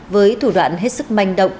với thủ đoạn hết sức manh động